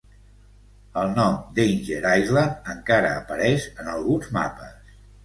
El nom "Danger Island" encara apareix en alguns mapes.